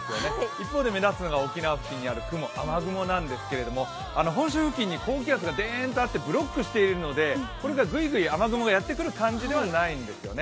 一方で目立つのが沖縄付近にある雲、雨雲なんですけれども本州付近に高気圧がデーンとあって、ブロックしているのでぐいぐい雨雲がやってくる感じではないんですよね。